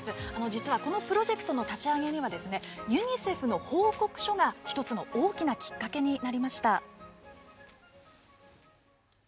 実はこのプロジェクトの立ち上げにはユニセフの報告書が一つの大きなきっかけになりました。